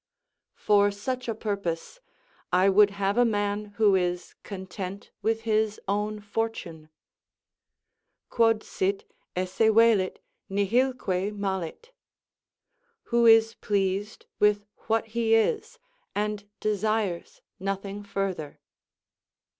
For such a purpose, I would have a man who is content with his own fortune: "Quod sit, esse velit, nihilque malit," ["Who is pleased with what he is and desires nothing further."